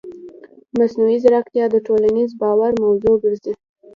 مصنوعي ځیرکتیا د ټولنیز باور موضوع ګرځي.